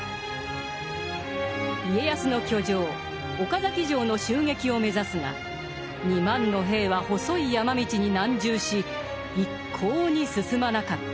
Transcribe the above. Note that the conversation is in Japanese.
家康の居城・岡崎城の襲撃を目指すが２万の兵は細い山道に難渋し一向に進まなかった。